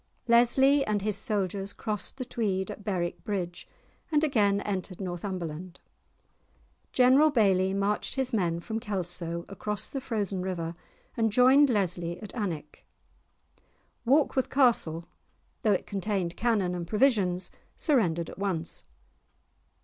Leslie and his soldiers crossed the Tweed at Berwick bridge and again entered Northumberland. General Bayly marched his men from Kelso across the frozen river and joined Leslie at Alnwick. Warkworth Castle, though it contained cannon and provisions, surrendered at once.